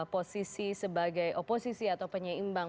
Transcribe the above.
posisi sebagai oposisi atau penyeimbang